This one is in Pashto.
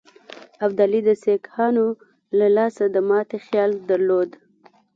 ابدالي د سیکهانو له لاسه د ماتي خیال درلود.